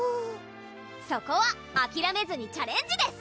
そこはあきらめずにチャレンジです！